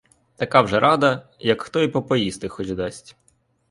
Така вже рада, як хто їй попоїсти хоч дасть.